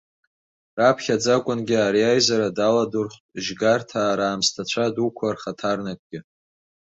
Раԥхьаӡакәынгьы ари аизара даладырхәт жьгарҭаа раамсҭцәа дуқәа рхаҭарнакгьы.